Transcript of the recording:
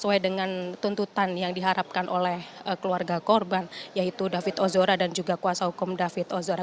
sesuai dengan tuntutan yang diharapkan oleh keluarga korban yaitu david ozora dan juga kuasa hukum david ozora